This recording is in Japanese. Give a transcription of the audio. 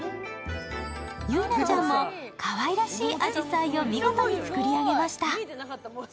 ゆいなちゃんもかわいらしい紫陽花を見事に作り上げました。